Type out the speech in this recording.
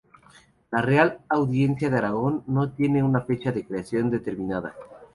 La Real Audiencia de Aragón no tiene una fecha de creación determinada.